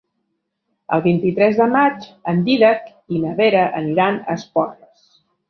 El vint-i-tres de maig en Dídac i na Vera aniran a Esporles.